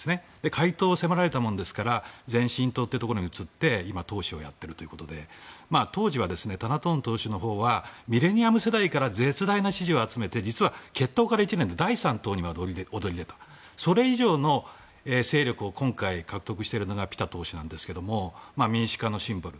解党を迫られたもんですから前進党というところに移って今、党首をやっているということで当時はタナトーン党首はミレニアム世代から絶大な支持を集めて実は、結党から１年で第３党にまで躍り出てそれ以上の勢力を今回、獲得しているのがピタ党首なんですが民主化のシンボル。